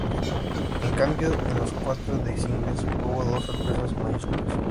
En cambio, en los cuadros de singles hubo dos sorpresas mayúsculas.